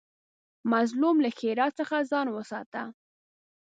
مظلوم له ښېرا څخه ځان وساته